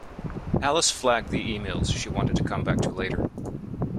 Alice flagged the emails she wanted to come back to later